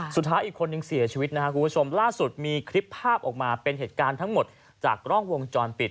สุดท้ายอีกคนนึงเสียชีวิตนะครับคุณผู้ชมล่าสุดมีคลิปภาพออกมาเป็นเหตุการณ์ทั้งหมดจากกล้องวงจรปิด